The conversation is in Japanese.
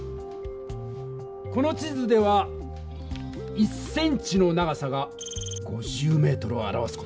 この地図では１ｃｍの長さが５０ｍを表す事になっている。